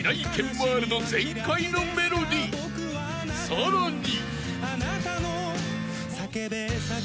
［さらに］